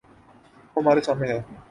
وہ ہمارے سامنے ہے۔